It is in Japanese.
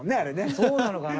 そうなのかな？